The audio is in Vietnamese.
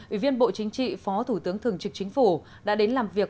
ủy viên bộ chính trị phó thủ tướng thường trực chính phủ đã đến làm việc